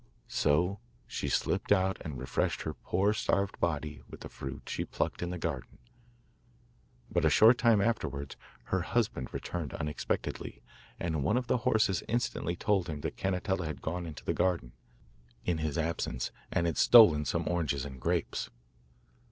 So she slipped out and refreshed her poor, starved body with the fruit she plucked in the garden. But a short time afterwards her husband returned unexpectedly, and one of the horses instantly told him that Cannetella had gone into the garden, in his absence, and had stolen some oranges and grapes.